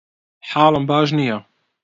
حاڵم باش نییە.